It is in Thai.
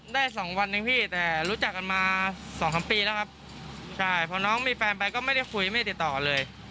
ได้สองวันเองพี่แต่รู้จักกันมาสองสามปีแล้วครับใช่พอน้องมีแฟนไปก็ไม่ได้คุยไม่ได้ติดต่อเลย